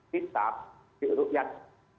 hisap di ruqyah